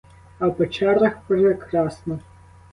А в печерах прекрасно!